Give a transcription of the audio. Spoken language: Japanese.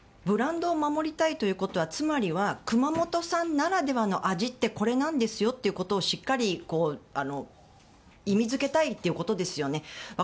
ブランドを守りたいということはつまりは熊本産ならではの味ってこれなんですよとしっかり意味付けたいということですよね。